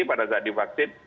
pada saat divaksin